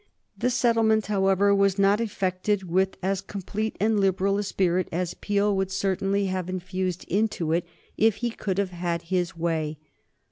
The settlement, however, was not effected with as complete and liberal a spirit as Peel would certainly have infused into it if he could have had his way.